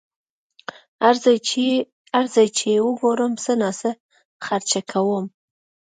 هر ځای چې یې وګورم څه ناڅه خرچه کوم.